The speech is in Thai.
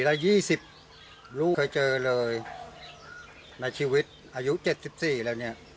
ละยี่สิบลูกเคยเจอเลยในชีวิตอายุ๗๔แล้วเนี่ย